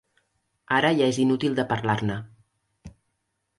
Ara ja és inútil de parlar-ne.